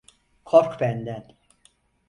Kork benden.